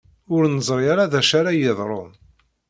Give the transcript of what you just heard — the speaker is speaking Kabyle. Ur neẓri ara d acu ara yeḍrun.